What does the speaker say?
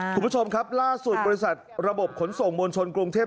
คุณผู้ชมครับล่าสุดบริษัทระบบขนส่งมวลชนกรุงเทพ